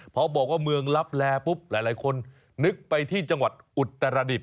พอบอกว่าเมืองลับแลปุ๊บหลายคนนึกไปที่จังหวัดอุตรดิษฐ